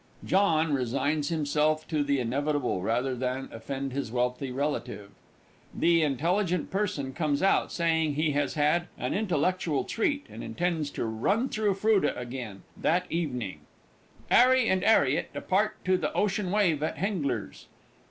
[JOHN resigns himself to the inevitable rather than offend his wealthy relative; the INTELLIGENT PERSON comes out, saying he has had "an intellectual treat" and intends to "run through Froude again" that evening. 'ARRY and 'ARRIET, _depart to the "Ocean Wave" at Hengler's.